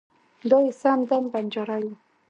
دای یې سم دم بنجارۍ و.